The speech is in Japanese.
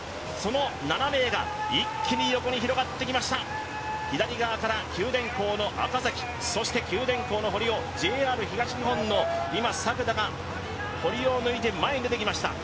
７名が一気に横に広がってきました左側から九電工の赤崎、そして九電工の堀尾ＪＲ東日本の作田が堀尾を抜いて前に出てきました。